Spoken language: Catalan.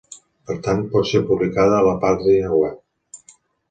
Per tant, pot ser publicada a la pàgina web.